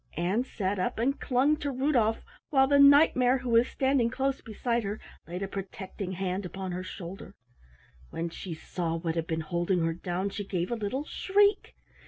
Ann sat up and clung to Rudolf, while the Knight mare who was standing close beside her, laid a protecting hand upon her shoulder. When she saw what had been holding her down, she gave a little shriek.